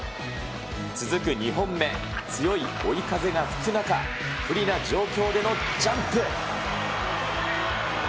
続く２本目、強い追い風が吹く中、不利な状況でのジャンプ。